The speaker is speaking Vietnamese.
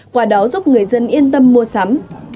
qua đó giúp người dân yên tâm mua sắm